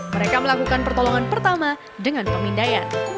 mereka melakukan pertolongan pertama dengan pemindaian